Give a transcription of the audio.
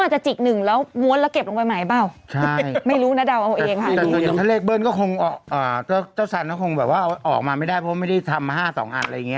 เจ้าสันก็คงออกมาไม่ได้เพราะไม่ได้ทำมา๕๒อันอะไรอย่างนี้